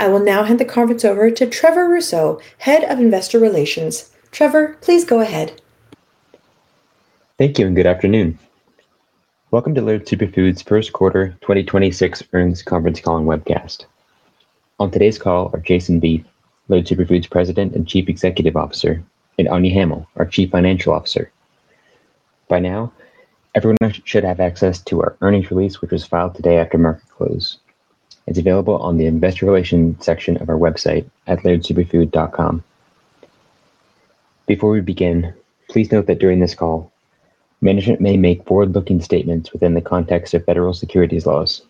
I will now hand the conference over to Trevor Rousseau, Head of Investor Relations. Trevor, please go ahead. Thank you and good afternoon. Welcome to Laird Superfood's first quarter 2026 earnings conference call and webcast. On today's call are Jason Vieth, Laird Superfood's President and Chief Executive Officer, and Anya Hamill, our Chief Financial Officer. By now, everyone should have access to our earnings release, which was filed today after market close. It's available on the investor relations section of our website at lairdsuperfood.com. Before we begin, please note that during this call, management may make forward-looking statements within the context of federal securities laws.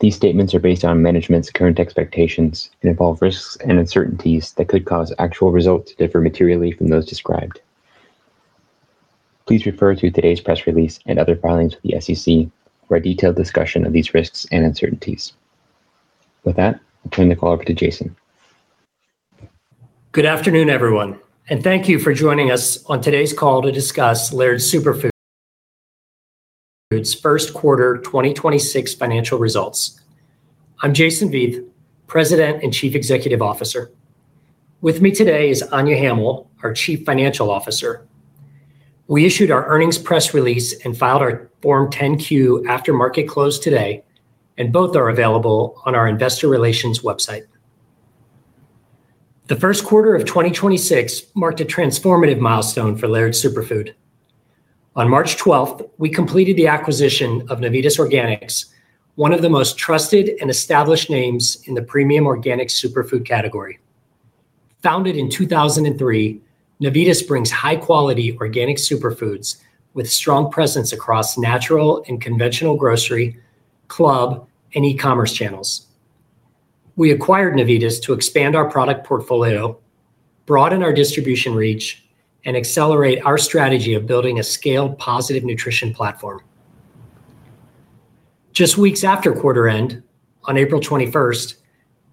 These statements are based on management's current expectations and involve risks and uncertainties that could cause actual results to differ materially from those described. Please refer to today's press release and other filings with the SEC for a detailed discussion of these risks and uncertainties. With that, I'll turn the call over to Jason. Good afternoon, everyone, and thank you for joining us on today's call to discuss Laird Superfood's first quarter 2026 financial results. I'm Jason Vieth, President and Chief Executive Officer. With me today is Anya Hamill, our Chief Financial Officer. We issued our earnings press release and filed our Form 10-Q after market close today, and both are available on our investor relations website. The first quarter of 2026 marked a transformative milestone for Laird Superfood. On March 12th, we completed the acquisition of Navitas Organics, one of the most trusted and established names in the premium organic superfood category. Founded in 2003, Navitas brings high-quality organic superfoods with strong presence across natural and conventional grocery, club, and e-commerce channels. We acquired Navitas to expand our product portfolio, broaden our distribution reach, and accelerate our strategy of building a scaled positive nutrition platform. Just weeks after quarter end, on April 21st,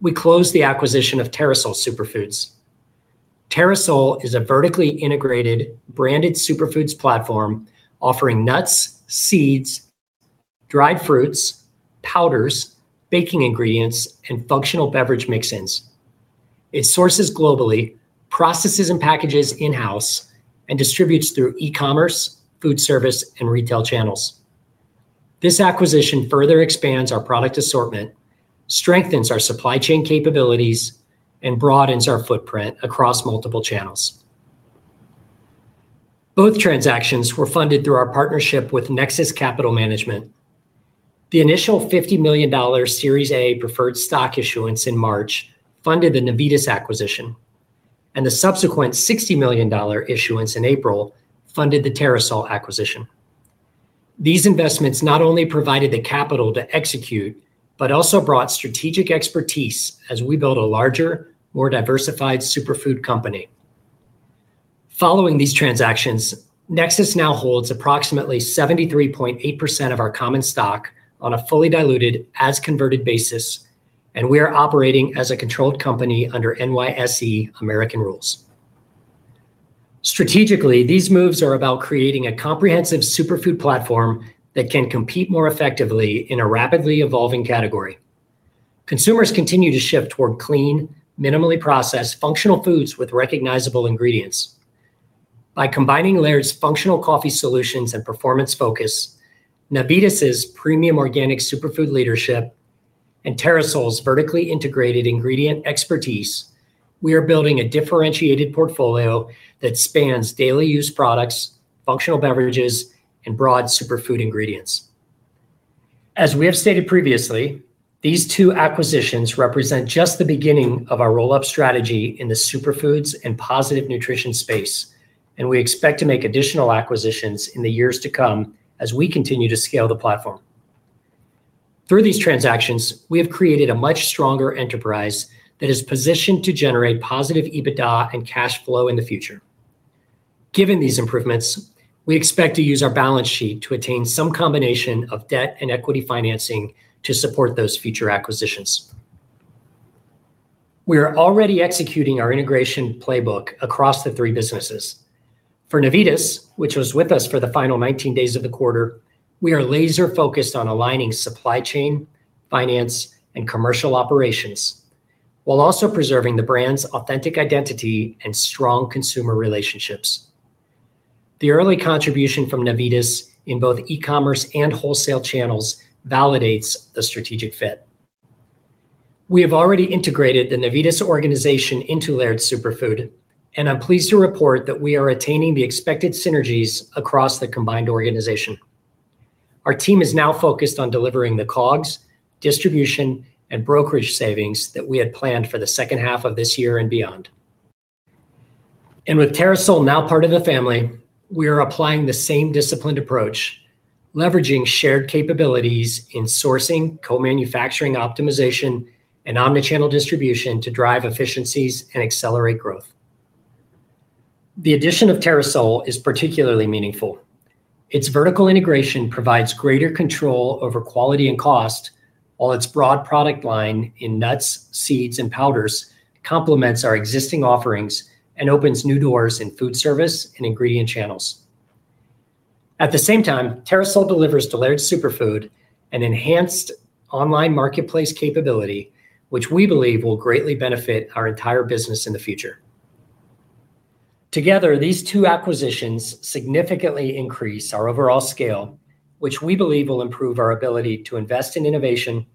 we closed the acquisition of Terrasoul Superfoods. Terrasoul is a vertically integrated branded superfoods platform offering nuts, seeds, dried fruits, powders, baking ingredients, and functional beverage mix-ins. It sources globally, processes and packages in-house, and distributes through e-commerce, food service, and retail channels. This acquisition further expands our product assortment, strengthens our supply chain capabilities, and broadens our footprint across multiple channels. Both transactions were funded through our partnership with Nexus Capital Management. The initial $50 million Series A preferred stock issuance in March funded the Navitas acquisition, and the subsequent $60 million issuance in April funded the Terrasoul acquisition. These investments not only provided the capital to execute, but also brought strategic expertise as we build a larger, more diversified superfood company. Following these transactions, Nexus now holds approximately 73.8% of our common stock on a fully diluted as-converted basis, and we are operating as a controlled company under NYSE American rules. Strategically, these moves are about creating a comprehensive superfood platform that can compete more effectively in a rapidly evolving category. Consumers continue to shift toward clean, minimally processed functional foods with recognizable ingredients. By combining Laird's functional coffee solutions and performance focus, Navitas' premium organic superfood leadership, and Terrasoul's vertically integrated ingredient expertise, we are building a differentiated portfolio that spans daily use products, functional beverages, and broad superfood ingredients. As we have stated previously, these two acquisitions represent just the beginning of our roll-up strategy in the superfoods and positive nutrition space, and we expect to make additional acquisitions in the years to come as we continue to scale the platform. Through these transactions, we have created a much stronger enterprise that is positioned to generate positive EBITDA and cash flow in the future. Given these improvements, we expect to use our balance sheet to attain some combination of debt and equity financing to support those future acquisitions. We are already executing our integration playbook across the three businesses. For Navitas, which was with us for the final 19 days of the quarter, we are laser focused on aligning supply chain, finance, and commercial operations, while also preserving the brand's authentic identity and strong consumer relationships. The early contribution from Navitas in both e-commerce and wholesale channels validates the strategic fit. We have already integrated the Navitas organization into Laird Superfood, and I'm pleased to report that we are attaining the expected synergies across the combined organization. Our team is now focused on delivering the COGS, distribution, and brokerage savings that we had planned for the second half of this year and beyond. With Terrasoul now part of the family, we are applying the same disciplined approach, leveraging shared capabilities in sourcing, co-manufacturing optimization, and omni-channel distribution to drive efficiencies and accelerate growth. The addition of Terrasoul is particularly meaningful. Its vertical integration provides greater control over quality and cost, while its broad product line in nuts, seeds, and powders complements our existing offerings and opens new doors in food service and ingredient channels. At the same time, Terrasoul delivers to Laird Superfood an enhanced online marketplace capability, which we believe will greatly benefit our entire business in the future. Together, these two acquisitions significantly increase our overall scale, which we believe will improve our ability to invest in innovation,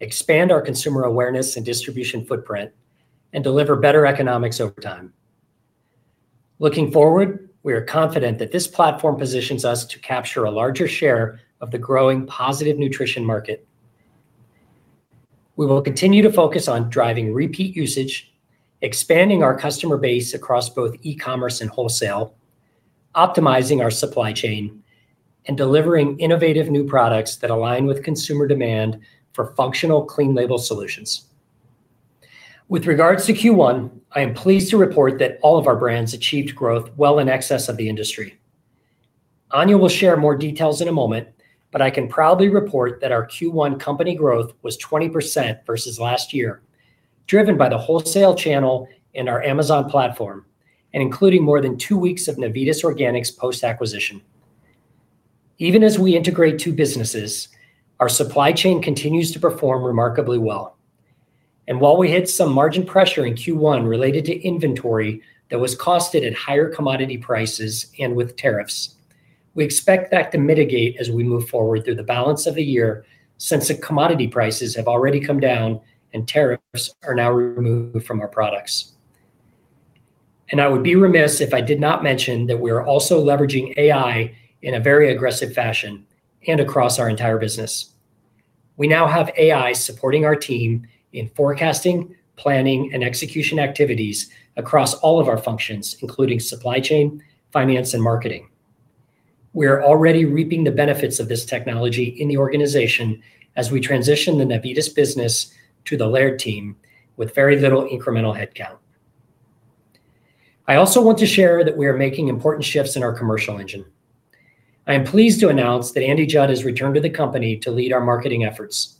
expand our consumer awareness and distribution footprint, and deliver better economics over time. Looking forward, we are confident that this platform positions us to capture a larger share of the growing positive nutrition market. We will continue to focus on driving repeat usage, expanding our customer base across both e-commerce and wholesale, optimizing our supply chain, and delivering innovative new products that align with consumer demand for functional clean label solutions. With regards to Q1, I am pleased to report that all of our brands achieved growth well in excess of the industry. Anya Hamill will share more details in a moment, but I can proudly report that our Q1 company growth was 20% versus last year, driven by the wholesale channel and our Amazon platform, and including more than two weeks of Navitas Organics post-acquisition. Even as we integrate two businesses, our supply chain continues to perform remarkably well. While we hit some margin pressure in Q1 related to inventory that was costed at higher commodity prices and with tariffs, we expect that to mitigate as we move forward through the balance of the year since the commodity prices have already come down and tariffs are now removed from our products. I would be remiss if I did not mention that we are also leveraging AI in a very aggressive fashion and across our entire business. We now have AI supporting our team in forecasting, planning, and execution activities across all of our functions, including supply chain, finance, and marketing. We are already reaping the benefits of this technology in the organization as we transition the Navitas business to the Laird team with very little incremental headcount. I also want to share that we are making important shifts in our commercial engine. I am pleased to announce that Andy Judd has returned to the company to lead our marketing efforts.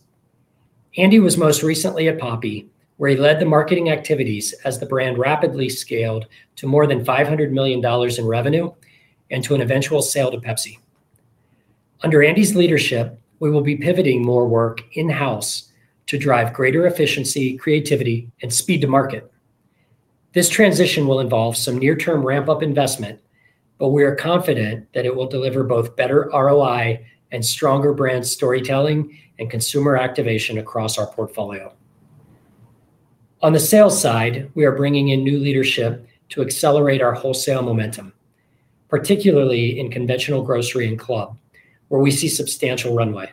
Andy was most recently at Poppi, where he led the marketing activities as the brand rapidly scaled to more than $500 million in revenue and to an eventual sale to Pepsi. Under Andy's leadership, we will be pivoting more work in-house to drive greater efficiency, creativity, and speed to market. This transition will involve some near-term ramp-up investment, but we are confident that it will deliver both better ROI and stronger brand storytelling and consumer activation across our portfolio. On the sales side, we are bringing in new leadership to accelerate our wholesale momentum, particularly in conventional grocery and club, where we see substantial runway.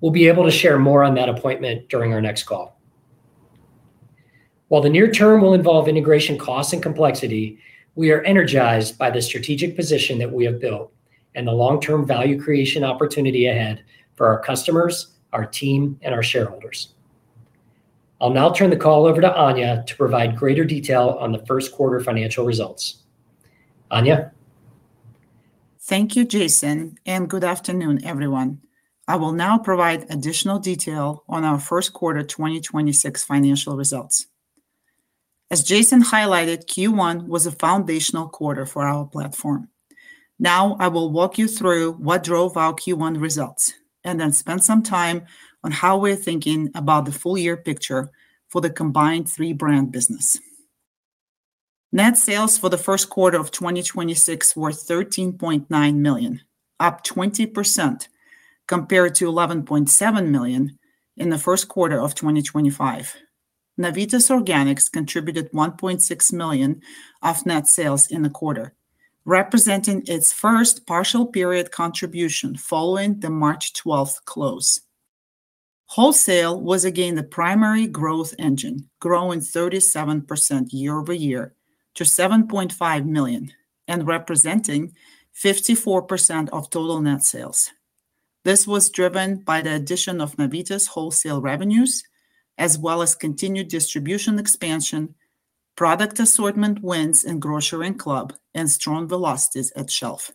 We'll be able to share more on that appointment during our next call. While the near term will involve integration costs and complexity, we are energized by the strategic position that we have built and the long-term value creation opportunity ahead for our customers, our team, and our shareholders. I'll now turn the call over to Anya to provide greater detail on the first quarter financial results. Anya? Thank you, Jason, and good afternoon, everyone. I will now provide additional detail on our first quarter 2026 financial results. As Jason highlighted, Q1 was a foundational quarter for our platform. I will walk you through what drove our Q1 results and then spend some time on how we're thinking about the full year picture for the combined three-brand business. Net sales for the first quarter of 2026 were $13.9 million, up 20% compared to $11.7 million in the first quarter of 2025. Navitas Organics contributed $1.6 million of net sales in the quarter, representing its first partial period contribution following the March 12th close. Wholesale was again the primary growth engine, growing 37% year-over-year to $7.5 million and representing 54% of total net sales. This was driven by the addition of Navitas wholesale revenues as well as continued distribution expansion, product assortment wins in grocery and club, and strong velocities at shelf.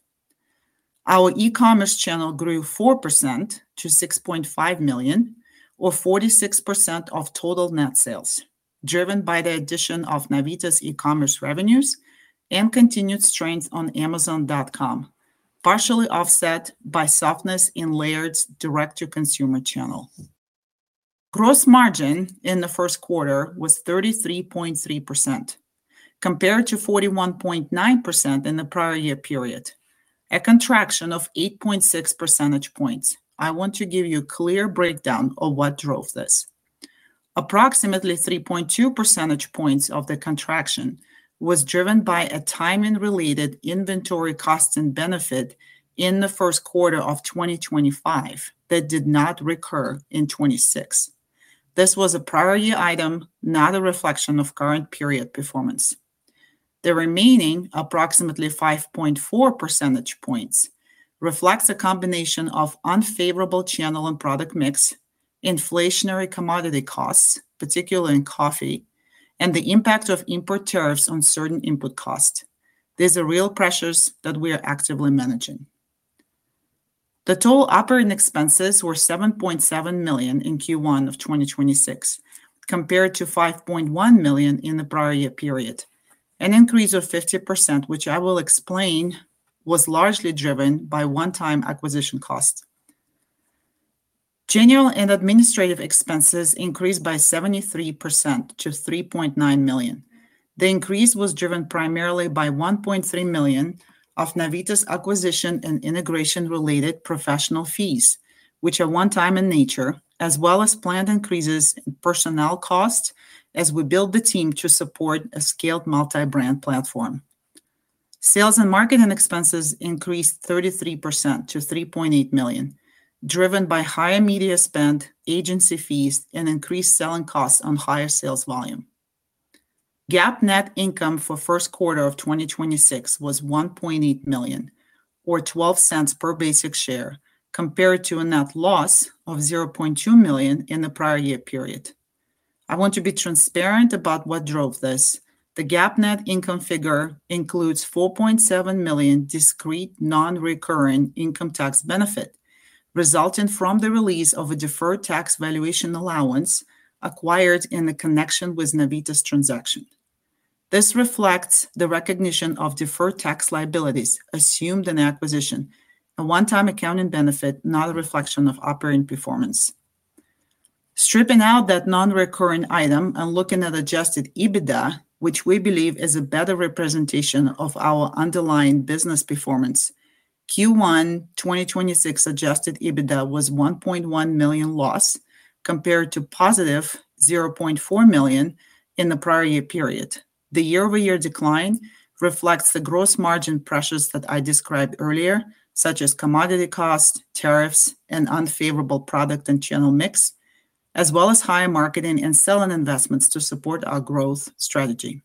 Our e-commerce channel grew 4% to $6.5 million or 46% of total net sales, driven by the addition of Navitas e-commerce revenues and continued strength on Amazon.com, partially offset by softness in Laird's direct-to-consumer channel. Gross margin in the first quarter was 33.3% compared to 41.9% in the prior year period, a contraction of 8.6 percentage points. I want to give you a clear breakdown of what drove this. Approximately 3.2 percentage points of the contraction was driven by a timing-related inventory cost and benefit in the first quarter of 2025 that did not recur in 2026. This was a prior year item, not a reflection of current period performance. The remaining approximately 5.4 percentage points reflects a combination of unfavorable channel and product mix, inflationary commodity costs, particularly in coffee, and the impact of import tariffs on certain input costs. These are real pressures that we are actively managing. The total operating expenses were $7.7 million in Q1 of 2026, compared to $5.1 million in the prior year period. An increase of 50%, which I will explain, was largely driven by one-time acquisition costs. General and administrative expenses increased by 73% to $3.9 million. The increase was driven primarily by $1.3 million of Navitas acquisition and integration-related professional fees, which are one time in nature, as well as planned increases in personnel costs as we build the team to support a scaled multi-brand platform. Sales and marketing expenses increased 33% to $3.8 million, driven by higher media spend, agency fees, and increased selling costs on higher sales volume. GAAP net income for first quarter of 2026 was $1.8 million or $0.12 per basic share, compared to a net loss of $0.2 million in the prior year period. I want to be transparent about what drove this. The GAAP net income figure includes $4.7 million discrete non-recurring income tax benefit resulting from the release of a deferred tax valuation allowance acquired in the connection with Navitas transaction. This reflects the recognition of deferred tax liabilities assumed in the acquisition, a one-time accounting benefit, not a reflection of operating performance. Stripping out that non-recurring item and looking at adjusted EBITDA, which we believe is a better representation of our underlying business performance, Q1 2026 adjusted EBITDA was a $1.1 million loss, compared to positive $0.4 million in the prior year period. The year-over-year decline reflects the gross margin pressures that I described earlier, such as commodity cost, tariffs, and unfavorable product and channel mix, as well as higher marketing and selling investments to support our growth strategy.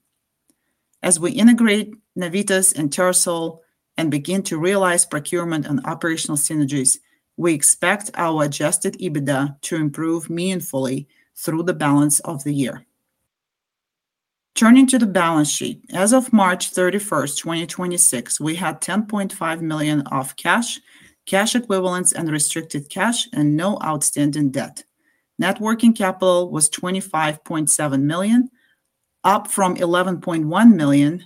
As we integrate Navitas and Terrasoul and begin to realize procurement and operational synergies, we expect our adjusted EBITDA to improve meaningfully through the balance of the year. Turning to the balance sheet. As of March 31, 2026, we had $10.5 million of cash equivalents and restricted cash, and no outstanding debt. Net working capital was $25.7 million, up from $11.1 million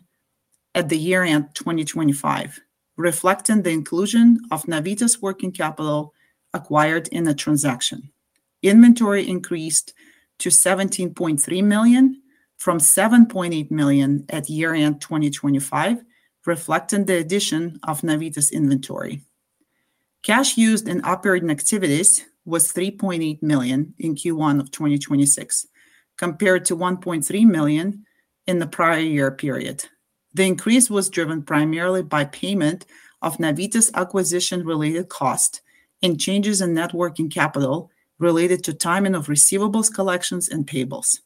at the year-end 2025, reflecting the inclusion of Navitas working capital acquired in the transaction. Inventory increased to $17.3 million from $7.8 million at year-end 2025, reflecting the addition of Navitas inventory. Cash used in operating activities was $3.8 million in Q1 of 2026, compared to $1.3 million in the prior year period. The increase was driven primarily by payment of Navitas acquisition-related cost and changes in net working capital related to timing of receivables collections and payables.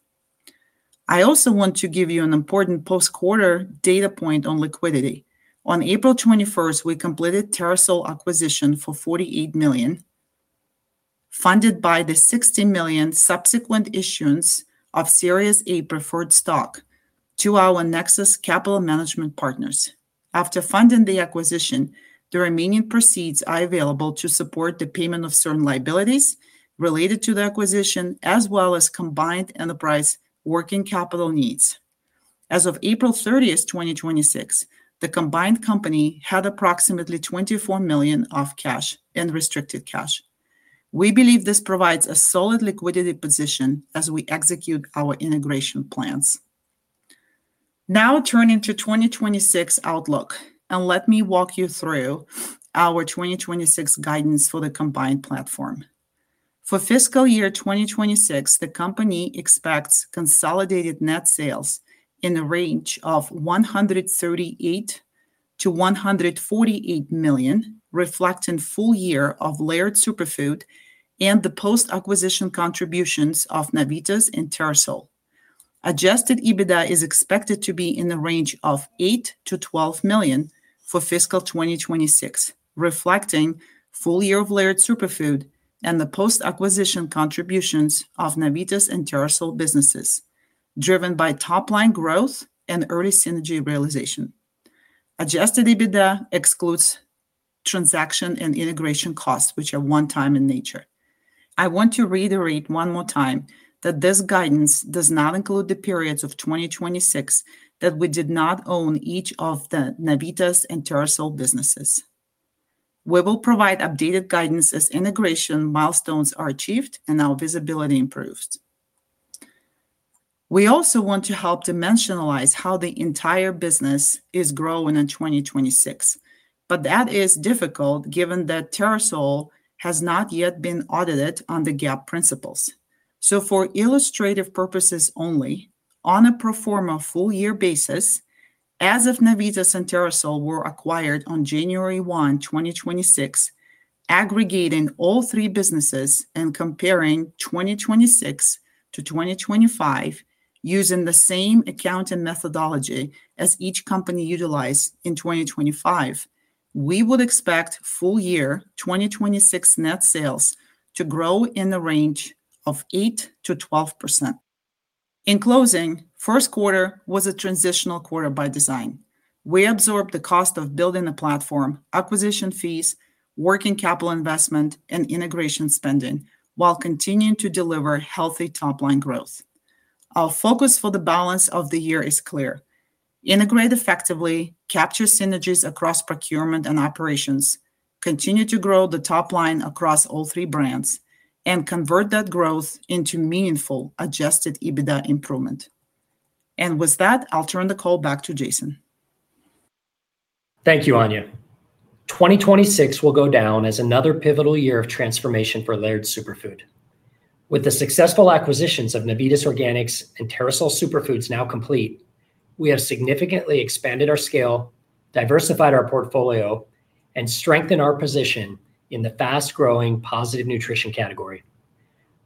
I also want to give you an important post-quarter data point on liquidity. On April 21st, we completed Terrasoul acquisition for $48 million, funded by the $60 million subsequent issuance of Series A preferred stock to our Nexus Capital Management partners. After funding the acquisition, the remaining proceeds are available to support the payment of certain liabilities related to the acquisition, as well as combined enterprise working capital needs. As of April 30th, 2026, the combined company had approximately $24 million of cash and restricted cash. We believe this provides a solid liquidity position as we execute our integration plans. Now turning to 2026 outlook, let me walk you through our 2026 guidance for the combined platform. For fiscal year 2026, the company expects consolidated net sales in the range of $138 million-$148 million, reflecting full year of Laird Superfood and the post-acquisition contributions of Navitas and Terrasoul. Adjusted EBITDA is expected to be in the range of $8 million-$12 million for Fiscal 2026, reflecting full year of Laird Superfood and the post-acquisition contributions of Navitas and Terrasoul businesses, driven by top line growth and early synergy realization. Adjusted EBITDA excludes transaction and integration costs, which are one time in nature. I want to reiterate one more time that this guidance does not include the periods of 2026 that we did not own each of the Navitas and Terrasoul businesses. We will provide updated guidance as integration milestones are achieved and our visibility improves. We also want to help dimensionalize how the entire business is growing in 2026, but that is difficult given that Terrasoul has not yet been audited on the GAAP principles. For illustrative purposes only, on a pro forma full year basis, as if Navitas and Terrasoul were acquired on January 1, 2026, aggregating all three businesses and comparing 2026 to 2025 using the same accounting methodology as each company utilized in 2025, we would expect full year 2026 net sales to grow in the range of 8%-12%. In closing, first quarter was a transitional quarter by design. We absorbed the cost of building the platform, acquisition fees, working capital investment, and integration spending, while continuing to deliver healthy top line growth. Our focus for the balance of the year is clear. Integrate effectively, capture synergies across procurement and operations, continue to grow the top line across all three brands, and convert that growth into meaningful adjusted EBITDA improvement. With that, I'll turn the call back to Jason. Thank you, Anya. 2026 will go down as another pivotal year of transformation for Laird Superfood. With the successful acquisitions of Navitas Organics and Terrasoul Superfoods now complete, we have significantly expanded our scale, diversified our portfolio, and strengthened our position in the fast-growing positive nutrition category.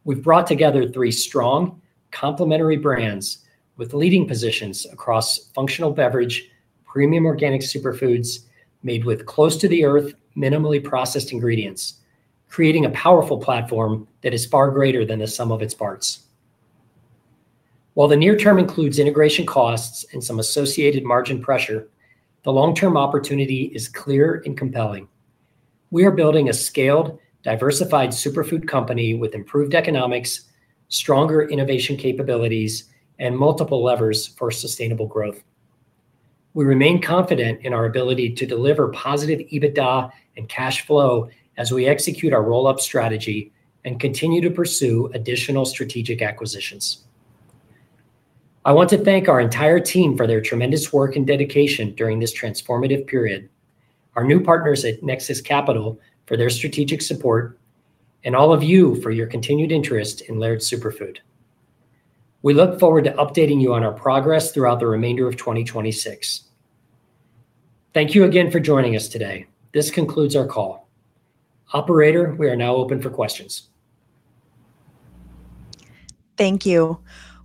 We've brought together three strong, complementary brands with leading positions across functional beverage, premium organic superfoods made with close-to-the-earth, minimally processed ingredients, creating a powerful platform that is far greater than the sum of its parts. While the near term includes integration costs and some associated margin pressure, the long-term opportunity is clear and compelling. We are building a scaled, diversified superfood company with improved economics, stronger innovation capabilities, and multiple levers for sustainable growth. We remain confident in our ability to deliver positive EBITDA and cash flow as we execute our roll-up strategy and continue to pursue additional strategic acquisitions. I want to thank our entire team for their tremendous work and dedication during this transformative period, our new partners at Nexus Capital for their strategic support, and all of you for your continued interest in Laird Superfood. We look forward to updating you on our progress throughout the remainder of 2026. Thank you again for joining us today. This concludes our call. Operator, we are now open for questions. Thank you.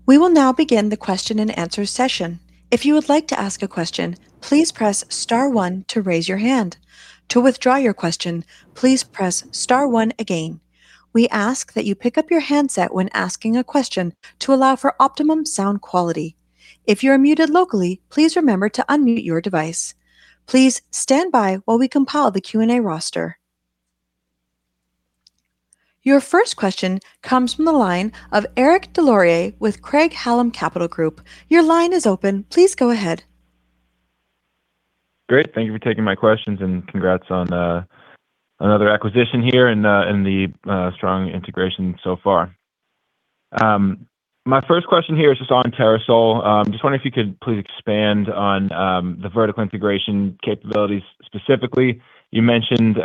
We will now begin the question and answer session. If you would like to ask a question, please press star 1 to raise your hand. To withdraw your question, please press star 1 again. We ask that you pick up your handset when asking a question to allow for optimum sound quality. If you are muted locally, please remember to unmute your device. Please stand by while we compile the Q&A roster. Your first question comes from the line of Eric Des Lauriers with Craig-Hallum Capital Group. Your line is open. Please go ahead. Great. Thank you for taking my questions. Congrats on another acquisition here and the strong integration so far. My first question here is just on Terrasoul. Just wondering if you could please expand on the vertical integration capabilities specifically. You mentioned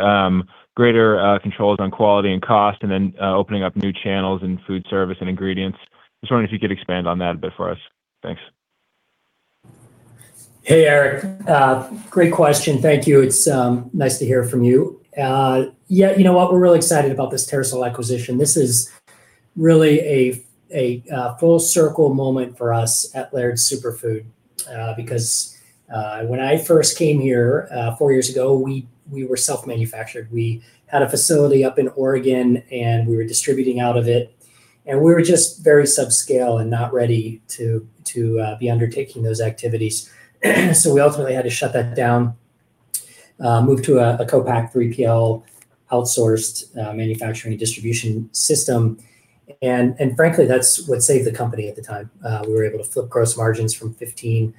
greater controls on quality and cost and then opening up new channels and food service and ingredients. Just wondering if you could expand on that a bit for us. Thanks. Hey, Eric. Great question. Thank you. It's nice to hear from you. Yeah, you know what? We're really excited about this Terrasoul acquisition. This is really a full circle moment for us at Laird Superfood because when I first came here four years ago, we were self-manufactured. We had a facility up in Oregon, and we were distributing out of it, and we were just very subscale and not ready to be undertaking those activities. We ultimately had to shut that down, move to a co-pack 3PL outsourced manufacturing and distribution system. Frankly, that's what saved the company at the time. We were able to flip gross margins from 15%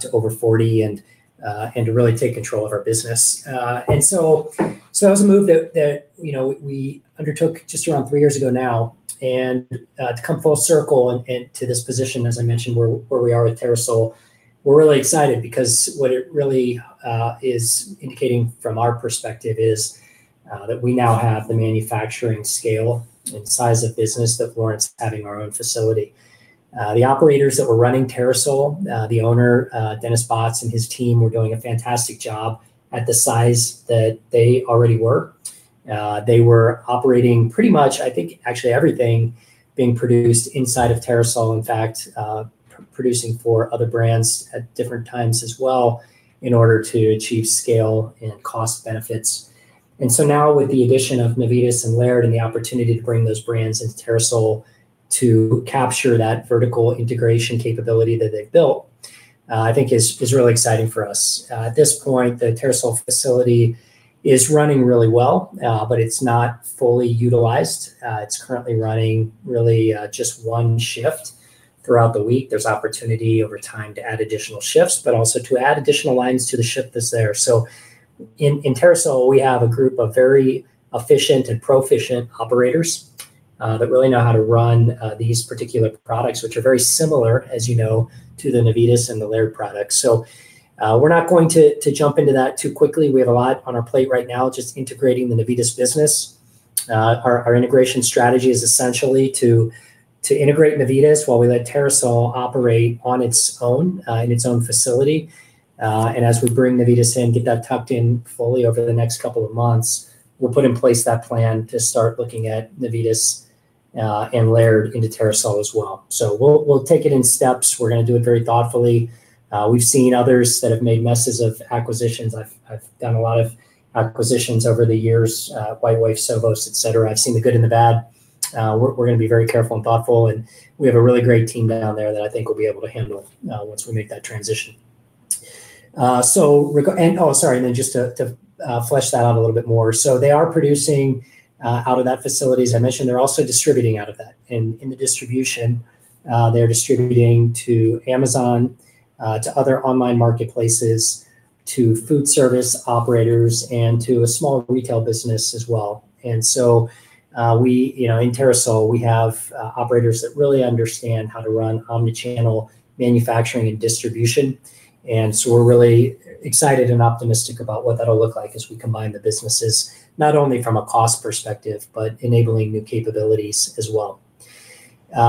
to over 40% and to really take control of our business. That was a move that, you know, we undertook just around three years ago now. To come full circle and to this position, as I mentioned, where we are with Terrasoul, we're really excited because what it really is indicating from our perspective is that we now have the manufacturing scale and size of business that warrants having our own facility. The operators that were running Terrasoul, the owner, Dennis Botts and his team were doing a fantastic job at the size that they already were. They were operating pretty much, I think actually everything being produced inside of Terrasoul, in fact, producing for other brands at different times as well in order to achieve scale and cost benefits. Now with the addition of Navitas and Laird and the opportunity to bring those brands into Terrasoul to capture that vertical integration capability that they've built, I think is really exciting for us. At this point, the Terrasoul facility is running really well, but it's not fully utilized. It's currently running really, just 1 shift throughout the week. There's opportunity over time to add additional shifts, but also to add additional lines to the shift that's there. In Terrasoul, we have a group of very efficient and proficient operators that really know how to run these particular products, which are very similar, as you know, to the Navitas and the Laird products. We're not going to jump into that too quickly. We have a lot on our plate right now just integrating the Navitas business. Our, our integration strategy is essentially to integrate Navitas while we let Terrasoul operate on its own, in its own facility. As we bring Navitas in, get that tucked in fully over the next couple of months, we'll put in place that plan to start looking at Navitas, and Laird into Terrasoul as well. We'll take it in steps. We're gonna do it very thoughtfully. We've seen others that have made messes of acquisitions. I've done a lot of acquisitions over the years, WhiteWave, Sovos, et cetera. I've seen the good and the bad. We're gonna be very careful and thoughtful, and we have a really great team down there that I think will be able to handle once we make that transition. Just to flesh that out a little bit more. They are producing out of that facility, as I mentioned. They're also distributing out of that. In the distribution, they're distributing to Amazon, to other online marketplaces, to food service operators, and to a smaller retail business as well. We, you know, in Terrasoul, we have operators that really understand how to run omni-channel manufacturing and distribution. We're really excited and optimistic about what that'll look like as we combine the businesses, not only from a cost perspective, but enabling new capabilities as well.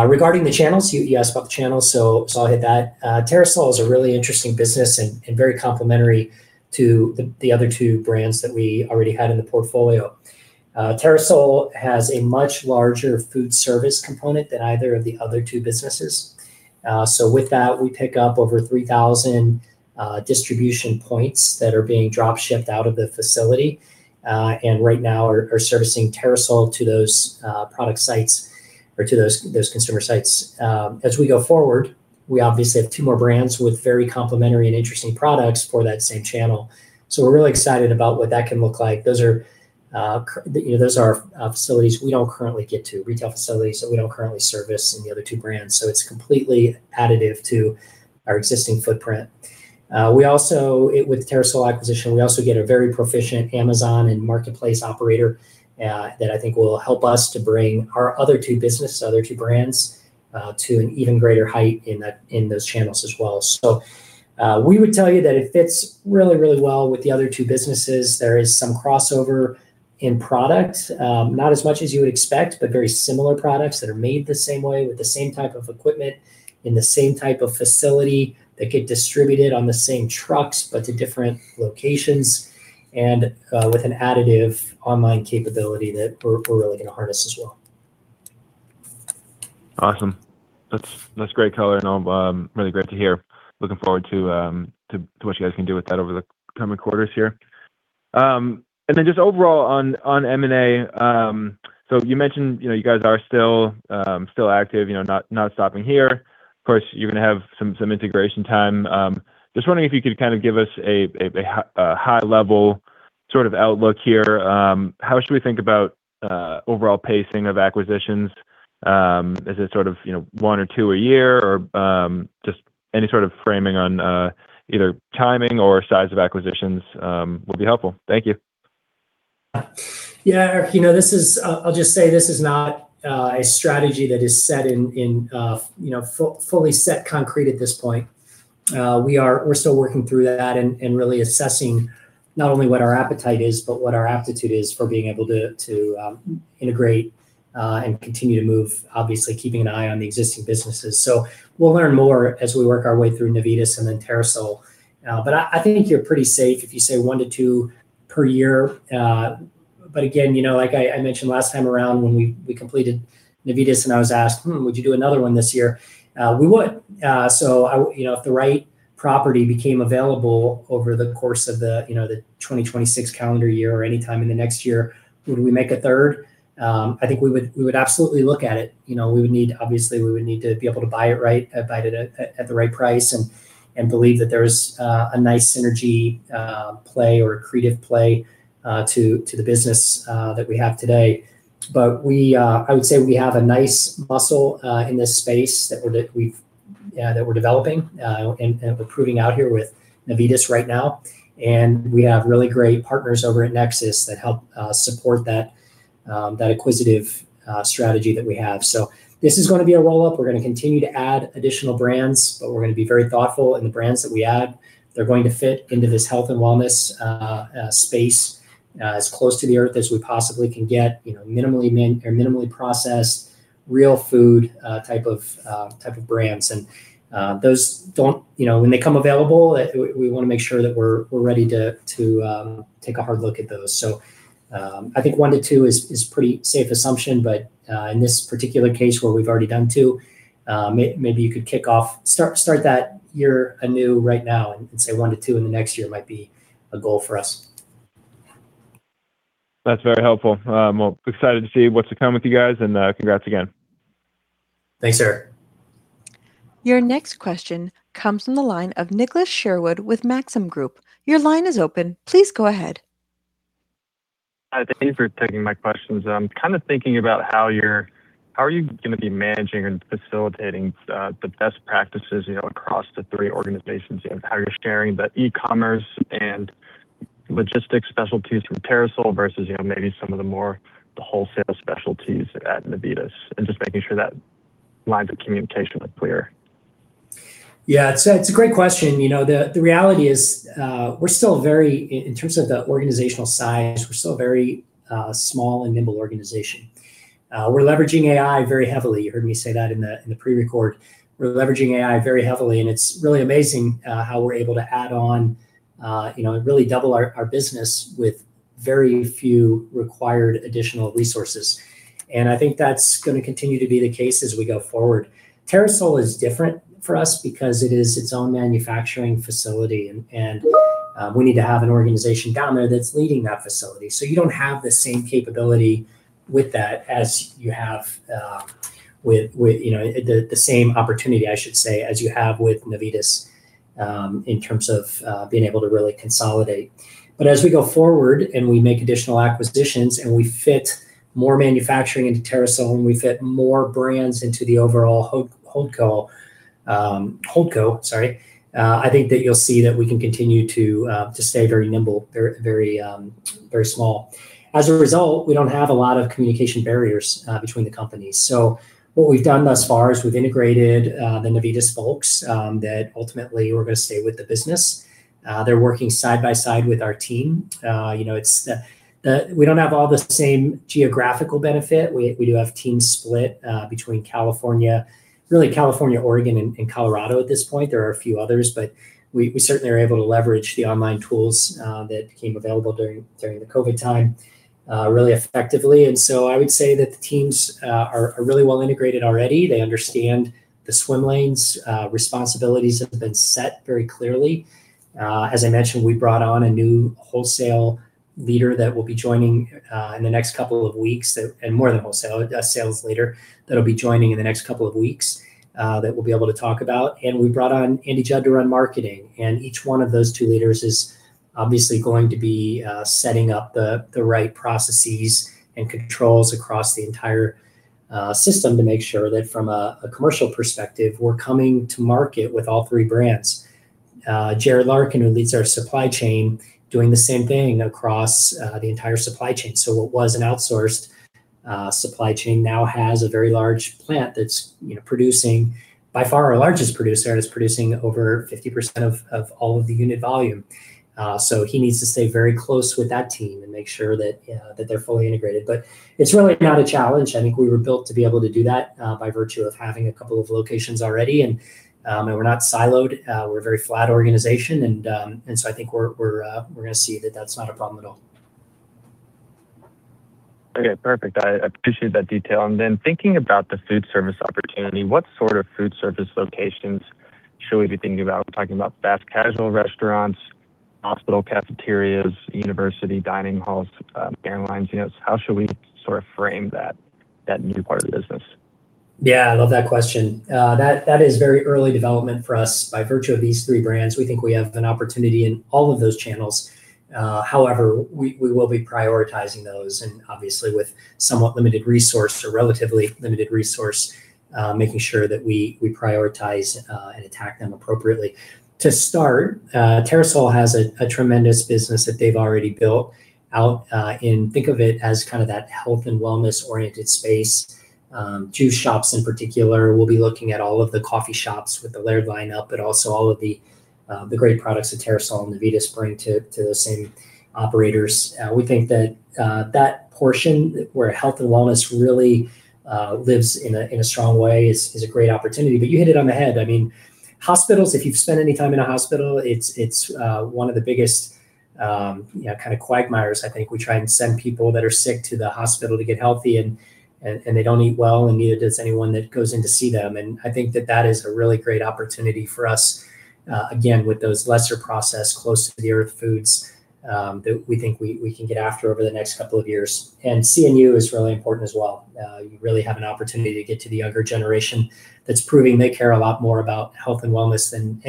Regarding the channels, you asked about the channels, I'll hit that. Terrasoul is a really interesting business and very complementary to the other two brands that we already had in the portfolio. Terrasoul has a much larger food service component than either of the other two businesses. With that, we pick up over 3,000 distribution points that are being drop shipped out of the facility. Right now are servicing Terrasoul to those product sites or to those consumer sites. As we go forward, we obviously have 2 more brands with very complementary and interesting products for that same channel. We're really excited about what that can look like. Those are, you know, those are facilities we don't currently get to, retail facilities that we don't currently service in the other two brands, so it's completely additive to our existing footprint. We also, with Terrasoul acquisition, we also get a very proficient Amazon and marketplace operator that I think will help us to bring our other two brands to an even greater height in that, in those channels as well. We would tell you that it fits really, really well with the other two businesses. There is some crossover in product. Not as much as you would expect, but very similar products that are made the same way with the same type of equipment in the same type of facility that get distributed on the same trucks, but to different locations and with an additive online capability that we're really gonna harness as well. Awesome. That's great color and all, really great to hear. Looking forward to what you guys can do with that over the coming quarters here. Then just overall on M&A, you mentioned, you know, you guys are still active, you know, not stopping here. Of course, you're gonna have some integration time. Just wondering if you could kind of give us a high level sort of outlook here. How should we think about overall pacing of acquisitions? Is it sort of, you know, one or two a year or just any sort of framing on either timing or size of acquisitions would be helpful. Thank you. Yeah, Eric, you know, this is I'll just say this is not a strategy that is set in, you know, fully set concrete at this point. We are, we're still working through that and really assessing not only what our appetite is, but what our aptitude is for being able to integrate and continue to move, obviously keeping an eye on the existing businesses. We'll learn more as we work our way through Navitas and then Terrasoul. But I think you're pretty safe if you say one to two per year. But again, you know, like I mentioned last time around when we completed Navitas and I was asked, "Would you do another one this year?" We would. I, you know, if the right property became available over the course of the, you know, the 2026 calendar year or any time in the next year, would we make a third? I think we would, we would absolutely look at it. You know, we would need, obviously, we would need to be able to buy it right, buy it at the right price and believe that there's a nice synergy play or accretive play to the business that we have today. We, I would say we have a nice muscle in this space that we're, that we've, that we're developing, and we're proving out here with Navitas right now. We have really great partners over at Nexus that help support that acquisitive strategy that we have. This is going to be a roll-up. We're going to continue to add additional brands, but we're going to be very thoughtful in the brands that we add. They're going to fit into this health and wellness space as close to the earth as we possibly can get. You know, minimally processed, real food type of type of brands. Those don't You know, when they come available, we want to make sure that we're ready to take a hard look at those. I think 1 to 2 is pretty safe assumption, but in this particular case where we've already done 2, maybe you could kick off, start that year anew right now and say one to two in the next year might be a goal for us. That's very helpful. Excited to see what's to come with you guys and, congrats again. Thanks, Eric. Your next question comes from the line of Nicholas Sherwood with Maxim Group. Your line is open. Please go ahead. Hi, thank you for taking my questions. I'm kind of thinking about how are you gonna be managing and facilitating the best practices, you know, across the three organizations? You know, how you're sharing the e-commerce and logistics specialties from Terrasoul versus, you know, maybe some of the more, the wholesale specialties at Navitas, and just making sure that lines of communication are clear. Yeah, it's a great question. You know, the reality is, we're still very in terms of the organizational size, we're still a very small and nimble organization. We're leveraging AI very heavily. You heard me say that in the pre-record. We're leveraging AI very heavily, and it's really amazing how we're able to add on, you know, and really double our business with very few required additional resources. I think that's gonna continue to be the case as we go forward. Terrasoul is different for us because it is its own manufacturing facility. We need to have an organization down there that's leading that facility. You don't have the same capability with that as you have, with, you know, the same opportunity, I should say, as you have with Navitas, in terms of, being able to really consolidate. As we go forward and we make additional acquisitions and we fit more manufacturing into Terrasoul and we fit more brands into the overall holdco, sorry, I think that you'll see that we can continue to stay very nimble, very small. As a result, we don't have a lot of communication barriers, between the companies. What we've done thus far is we've integrated, the Navitas folks, that ultimately were gonna stay with the business. They're working side by side with our team. You know, it's, we don't have all the same geographical benefit. We do have teams split between California, Oregon, and Colorado at this point. There are a few others, but we certainly are able to leverage the online tools that became available during the COVID time really effectively. I would say that the teams are really well integrated already. They understand the swim lanes. Responsibilities have been set very clearly. As I mentioned, we brought on a new wholesale leader that will be joining in the next couple of weeks and more than wholesale, a sales leader that'll be joining in the next couple of weeks that we'll be able to talk about. We brought on Andy Judd to run marketing, and each one of those two leaders is obviously going to be setting up the right processes and controls across the entire system to make sure that from a commercial perspective, we're coming to market with all three brands. Jared Larkin, who leads our supply chain, doing the same thing across the entire supply chain. What was an outsourced supply chain now has a very large plant that's, you know, producing, by far our largest producer and is producing over 50% of all of the unit volume. He needs to stay very close with that team and make sure that they're fully integrated. It's really not a challenge. I think we were built to be able to do that, by virtue of having a couple of locations already. We're not siloed. We're a very flat organization. I think we're gonna see that that's not a problem at all. Okay, perfect. I appreciate that detail. Thinking about the food service opportunity, what sort of food service locations should we be thinking about? We're talking about fast casual restaurants, hospital cafeterias, university dining halls, airlines, you know. How should we sort of frame that new part of the business? Yeah, I love that question. That is very early development for us. By virtue of these three brands, we think we have an opportunity in all of those channels. However, we will be prioritizing those and obviously with somewhat limited resource or relatively limited resource, making sure that we prioritize and attack them appropriately. To start, Terrasoul has a tremendous business that they've already built out in think of it as kind of that health and wellness oriented space. Two shops in particular, we'll be looking at all of the coffee shops with the Laird line up, but also all of the great products that Terrasoul and Navitas bring to the same operators. We think that portion where health and wellness really lives in a strong way is a great opportunity. You hit it on the head. I mean, hospitals, if you've spent any time in a hospital, it's one of the biggest, you know, kind of quagmires, I think. We try and send people that are sick to the hospital to get healthy and they don't eat well, and neither does anyone that goes in to see them. I think that that is a really great opportunity for us, again, with those lesser processed, close to the earth foods, that we think we can get after over the next couple of years. C&U is really important as well. You really have an opportunity to get to the younger generation that's proving they care a lot more about health and wellness than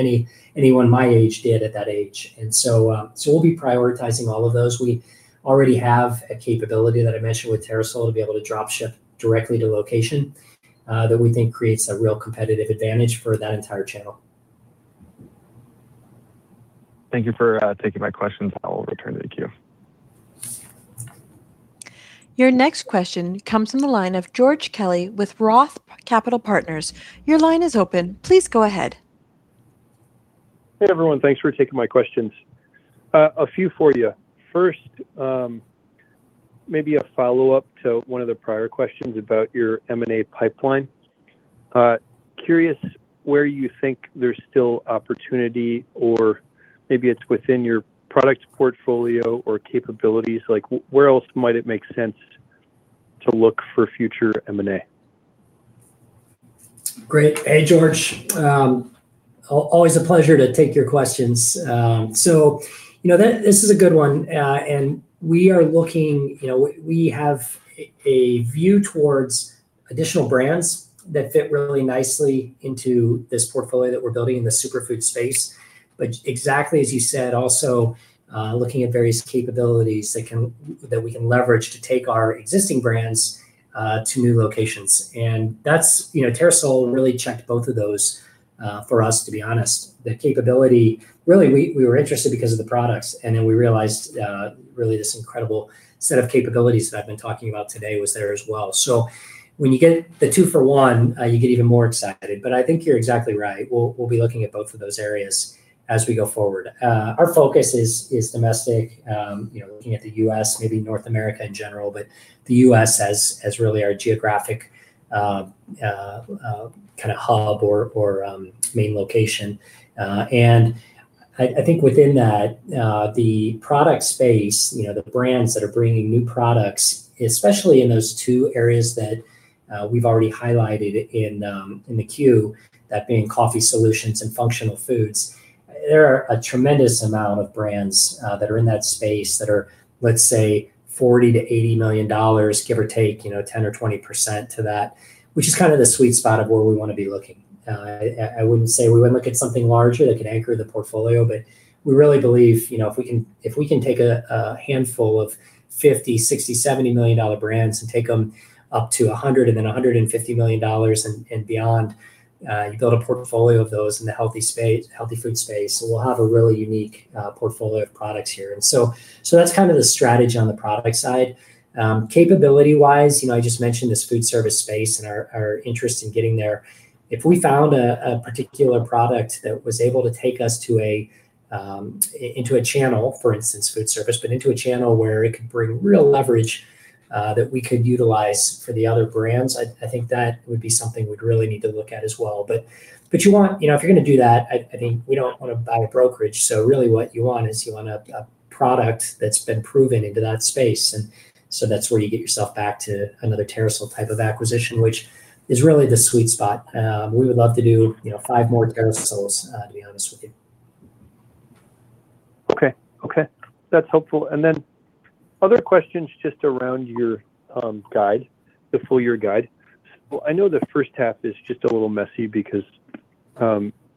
anyone my age did at that age. We'll be prioritizing all of those. We already have a capability that I mentioned with Terrasoul to be able to drop ship directly to location that we think creates a real competitive advantage for that entire channel. Thank you for taking my questions. I will return to the queue. Your next question comes from the line of George Kelly with ROTH Capital Partners. Your line is open. Please go ahead. Hey, everyone. Thanks for taking my questions. A few for you. First, maybe a follow-up to one of the prior questions about your M&A pipeline. Curious where you think there's still opportunity, or maybe it's within your product portfolio or capabilities. Where else might it make sense to look for future M&A? Great. Hey, George. Always a pleasure to take your questions. You know, this is a good one. We are looking, you know, we have a view towards additional brands that fit really nicely into this portfolio that we're building in the superfood space. Exactly as you said, also, looking at various capabilities that we can leverage to take our existing brands to new locations. That's, you know, Terrasoul really checked both of those for us, to be honest. The capability Really, we were interested because of the products, we realized really this incredible set of capabilities that I've been talking about today was there as well. When you get the two for one, you get even more excited. I think you're exactly right. We'll be looking at both of those areas as we go forward. Our focus is domestic. You know, looking at the U.S., maybe North America in general, but the U.S. as really our geographic kind of hub or main location. I think within that, the product space, you know, the brands that are bringing new products, especially in those two areas that we've already highlighted in the Q, that being coffee solutions and functional foods. There are a tremendous amount of brands that are in that space that are, let's say, $40 million-$80 million, give or take, you know, 10% or 20% to that. Which is kind of the sweet spot of where we wanna be looking. I wouldn't say we wouldn't look at something larger that can anchor the portfolio, but we really believe, you know, if we can take a handful of 50, 60, $70 million brands and take them up to $100 million and then $150 million and beyond, you build a portfolio of those in the healthy food space, we'll have a really unique portfolio of products here. That's kind of the strategy on the product side. Capability-wise, you know, I just mentioned this food service space and our interest in getting there. If we found a particular product that was able to take us into a channel, for instance, food service, but into a channel where it could bring real leverage that we could utilize for the other brands, I think that would be something we'd really need to look at as well. You know, if you're gonna do that, I think we don't wanna buy a brokerage, really what you want is you want a product that's been proven into that space. That's where you get yourself back to another Terrasoul type of acquisition, which is really the sweet spot. We would love to do, you know, five more Terrasouls, to be honest with you. Okay. Okay. That's helpful. Other questions just around your guide, the full year guide. Well, I know the first half is just a little messy because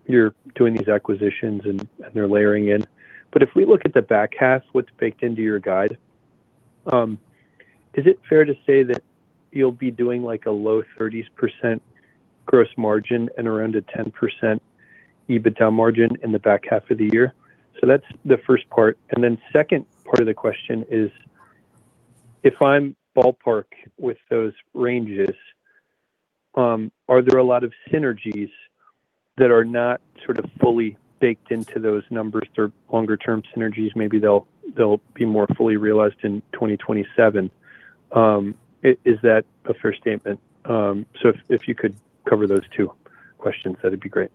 you're doing these acquisitions and they're layering in. If we look at the back half, what's baked into your guide, is it fair to say that you'll be doing like a low 30s% gross margin and around a 10% EBITDA margin in the back half of the year? That's the first part. Second part of the question is, if I'm ballpark with those ranges, are there a lot of synergies that are not sort of fully baked into those numbers? They're longer term synergies, maybe they'll be more fully realized in 2027. Is that a fair statement? If you could cover those two questions, that'd be great.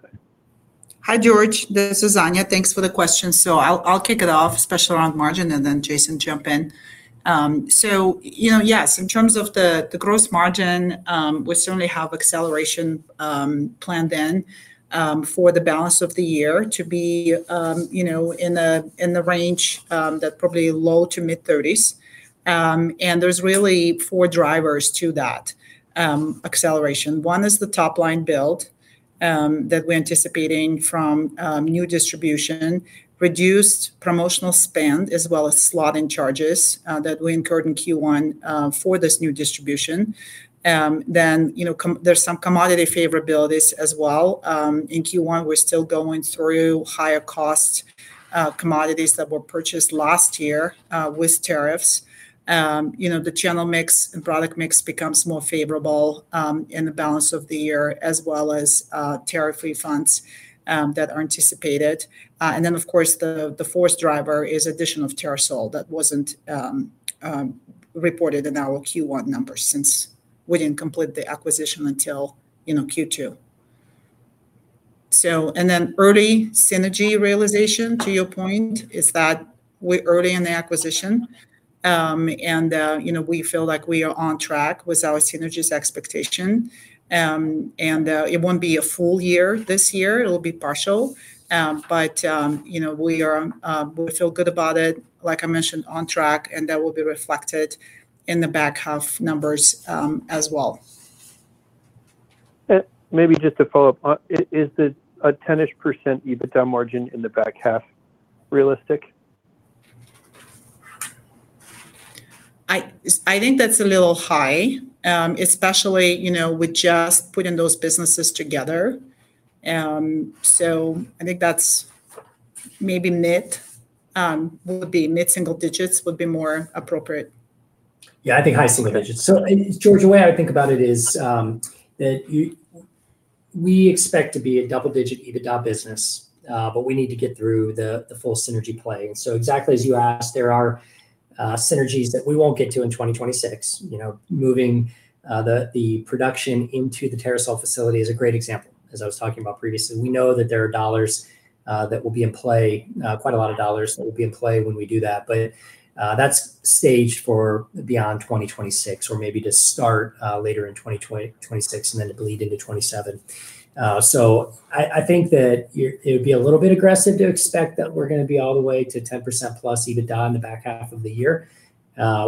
Hi, George. This is Anya. Thanks for the question. I'll kick it off, especially around margin, and then Jason jump in. You know, yes, in terms of the gross margin, we certainly have acceleration planned then for the balance of the year to be, you know, in the range that probably low to mid-30s. And there's really four drivers to that acceleration. One is the top line build that we're anticipating from new distribution, reduced promotional spend, as well as slotting charges that we incurred in Q1 for this new distribution. You know, there's some commodity favorabilities as well. In Q1, we're still going through higher cost commodities that were purchased last year with tariffs. You know, the channel mix and product mix becomes more favorable in the balance of the year as well as tariff refunds that are anticipated. Of course the fourth driver is addition of Terrasoul. That wasn't reported in our Q1 numbers since we didn't complete the acquisition until, you know, Q2. Early synergy realization, to your point, is that we're early in the acquisition. You know, we feel like we are on track with our synergies expectation. It won't be a full year this year, it'll be partial. You know, we are, we feel good about it, like I mentioned, on track, and that will be reflected in the back half numbers as well. Maybe just to follow up. Is the a 10-ish % EBITDA margin in the back half realistic? I think that's a little high, especially, you know, with just putting those businesses together. I think that's maybe mid-single digits would be more appropriate. I think high single digits. George, the way I think about it is, we expect to be a double-digit EBITDA business, but we need to get through the full synergy play. Exactly as you asked, there are synergies that we won't get to in 2026. You know, moving the production into the Terrasoul facility is a great example, as I was talking about previously. We know that there are dollars that will be in play, quite a lot of dollars that will be in play when we do that. That's staged for beyond 2026 or maybe to start later in 2026 and then to bleed into 2027. I think that you're... It would be a little bit aggressive to expect that we're gonna be all the way to 10% plus EBITDA in the back half of the year.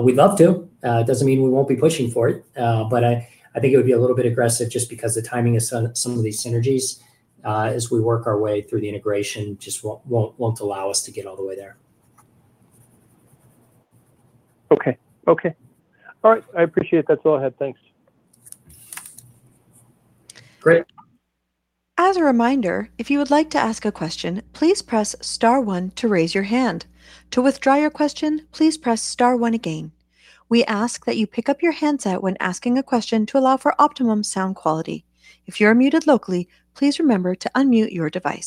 We'd love to, it doesn't mean we won't be pushing for it. I think it would be a little bit aggressive just because the timing of some of these synergies, as we work our way through the integration just won't allow us to get all the way there. Okay. Okay. All right. I appreciate that follow-up. Thanks. Great. As a reminder if you like to ask your question please press star 1 to raise your hand. To withdraw your question please press star 1 again we ask that you pick up your handset as you ask your question to lower for optimum sound quality. Please remember to unmute your mic.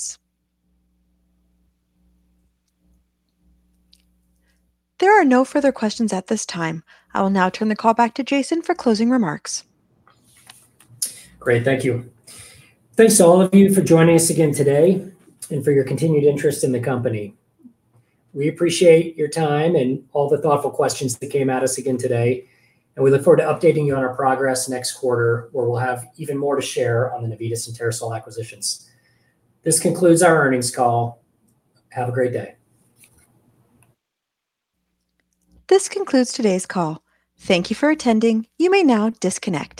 There are no further questions at this time. I will now turn the call back to Jason for closing remarks. Great. Thank you. Thanks to all of you for joining us again today and for your continued interest in the company. We appreciate your time and all the thoughtful questions that came at us again today, and we look forward to updating you on our progress next quarter, where we'll have even more to share on the Navitas and Terrasoul acquisitions. This concludes our earnings call. Have a great day. This concludes today's call. Thank you for attending. You may now disconnect.